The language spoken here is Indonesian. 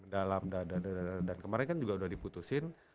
dalam dan kemarin kan juga udah diputusin